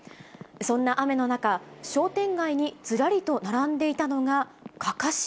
そんな雨の中、商店街にずらりと並んでいたのが、かかし。